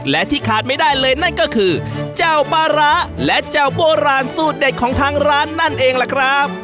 และที่ขาดไม่ได้เลยนั่นก็คือเจ้าปลาร้าและเจ้าโบราณสูตรเด็ดของทางร้านนั่นเองล่ะครับ